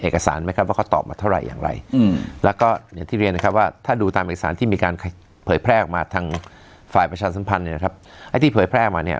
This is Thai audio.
การสัมพันธ์เนี่ยครับไอ้ที่เผยแพร่มาเนี่ย